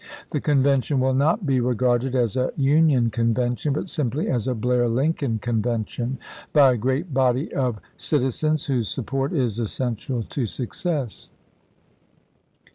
The Convention will not be regarded as a Union convention, but simply as a Blair Lincoln convention, by a great body of citi zens whose support is essential to success.